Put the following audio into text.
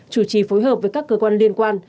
chủ trì phối hợp với các cơ quan liên quan